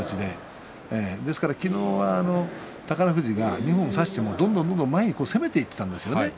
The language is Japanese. ですから昨日は宝富士が二本差してもどんどんどんどん前に攻めていったんですよね